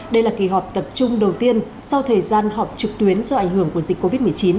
đây là kỳ họp tập trung đầu tiên sau thời gian họp trực tuyến do ảnh hưởng của dịch covid một mươi chín